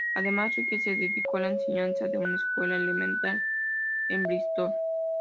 Además, Ridley se dedicó a la enseñanza en una Escuela Elemental en Brístol.